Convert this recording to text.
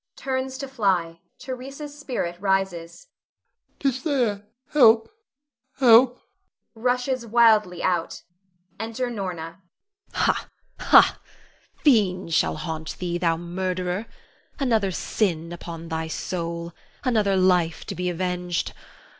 [Turns to fly. Theresa's spirit rises.] 'Tis there, help, help [Rushes wildly out.] [Enter Norna. Norna. Ha, ha! fiends shall haunt thee, thou murderer! Another sin upon thy soul, another life to be avenged!